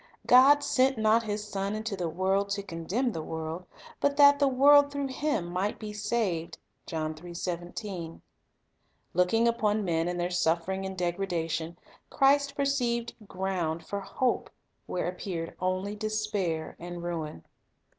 "God sent not His Son into the world to condemn the world; but that the world through Him might be saved." 1 Looking upon men in their suffering and degradation, Christ perceived ground for hope where appeared only despair and ruin.